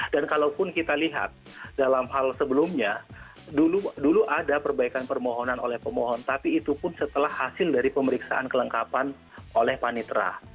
dan kalaupun kita lihat dalam hal sebelumnya dulu ada perbaikan permohonan oleh pemohon tapi itu pun setelah hasil dari pemeriksaan kelengkapan oleh panitra